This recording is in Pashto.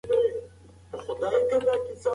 لوستې نجونې د ګډو کارونو مشرتابه ښيي.